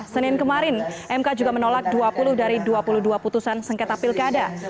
senin kemarin mk juga menolak dua puluh dari dua puluh dua putusan sengketa pilkada